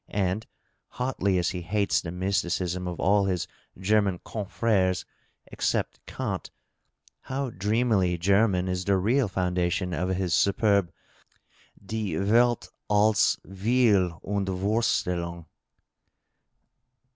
and, hotly as he hates the mysticism of all his German confrhea except Kant, how dreamily German is the real foundation of his superb "Die Welt als Wille und Vorstellung"